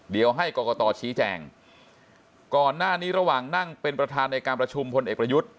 เดี๋ยวให้กรกตชี้แจงก่อนหน้านี้ระหว่างนั่งเป็นประธานในการประชุมพลเอกประยุทธ์